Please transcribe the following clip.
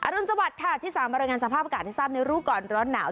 อรุณสวัสดิ์ค่ะที่๓บริเวณสภาพประกาศที่ทราบในรู้ก่อนร้อนหนาว